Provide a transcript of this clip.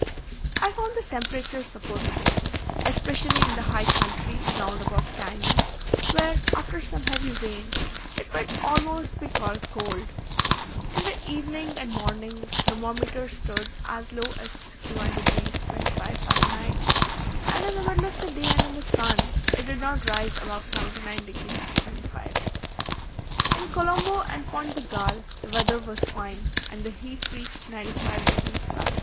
I found the temperature supportable, especially in the high country round about Candy, where, after some heavy rain, it might almost be called cold. In the evening and morning the thermometer stood as low as 61 degrees 25' Fah.; and in the middle of the day and in the sun, it did not rise above 79 degrees 25'. In Colombo and Pointe de Galle, the weather was fine, and the heat reached 95 degrees Fah.